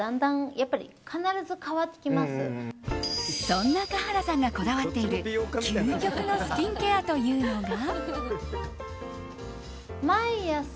そんな華原さんがこだわっている究極のスキンケアというのが。